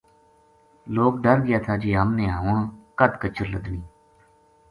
لوک ڈر گیا تھا جے ہم نے ہن کد کچر لَدنی